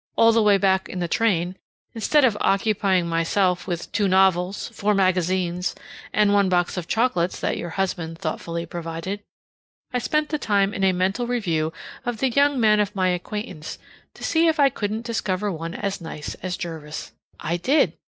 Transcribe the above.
All the way back in the train, instead of occupying myself with two novels, four magazines, and one box of chocolates that your husband thoughtfully provided, I spent the time in a mental review of the young men of my acquaintance to see if I couldn't discover one as nice as Jervis. I did!